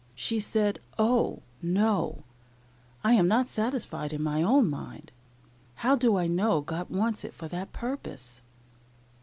She said, "Oh! no; I am not satisfied in my own mind. How do I know God wants it for that purpose?"